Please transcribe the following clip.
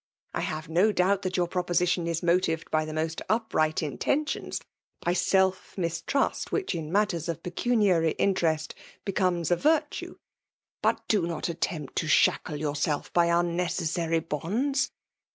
I have no doubt that your pro positioB is motived by the most upright inteur tieos by self mistruat — ^which, in matters of pecuniary interest^ becomes a virtue. But do not attempt to shackle yourself by unnecessary bonds.